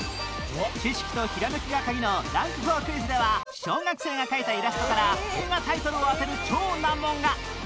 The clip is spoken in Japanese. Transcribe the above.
知識とひらめきが鍵のランク４クイズでは小学生が描いたイラストから映画タイトルを当てる超難問が